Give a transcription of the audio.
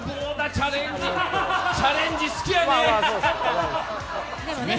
チャレンジ好きやね。